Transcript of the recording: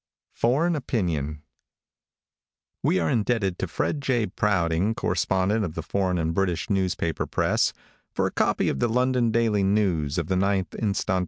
FOREIGN OPINION |WE are indebted to Fred J. Prouting, correspondent of the foreign and British newspaper press, for a copy of the London Daily of the 9th inst.